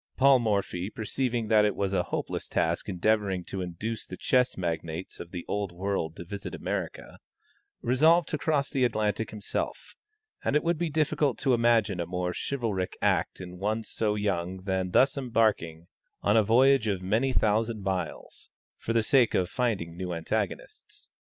Paul Morphy perceiving that it was a hopeless task endeavoring to induce the chess magnates of the Old World to visit America, resolved to cross the Atlantic himself, and it would be difficult to imagine a more chivalric act in one so young than thus embarking on a voyage of many thousand miles, for the sake of finding new antagonists.